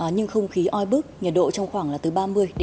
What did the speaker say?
nhưng không khí oi bước nhiệt độ trong khoảng từ ba mươi ba mươi bốn độ